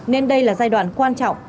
nên đây là giai đoạn quan trọng